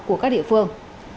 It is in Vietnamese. của các địa phương